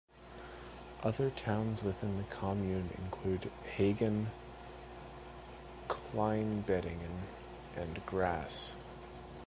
Other towns within the commune include Hagen, Kleinbettingen and Grass.